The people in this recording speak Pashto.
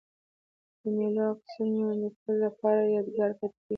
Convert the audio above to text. د مېلو عکسونه د تل له پاره یادګار پاته کېږي.